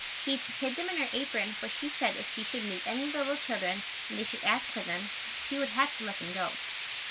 She hid them in her apron for she said if she should meet any little children and they should ask for them she would have to let them go.